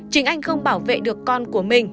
chính anh không bảo vệ được con của mình